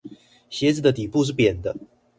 鞋子的底部是扁的